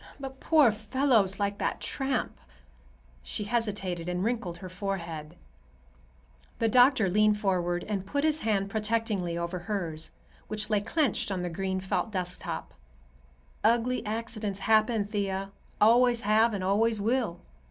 "But poor fellows like that tramp—" she hesitated and wrinkled her forehead. The doctor leaned forward and put his hand protectingly over hers, which lay clenched on the green felt desktop. "Ugly accidents happen, Thea; always have and always will.